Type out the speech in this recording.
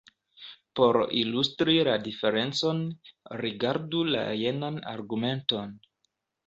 Por ilustri la diferencon, rigardu la jenan argumenton.